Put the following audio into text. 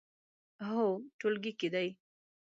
هو، ټولګي کې دی